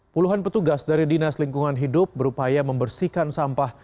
puluhan petugas dari dinas lingkungan hidup berupaya membersihkan sampah